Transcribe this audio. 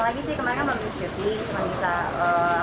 bapak kerja di rumah aja endorse dan segala macam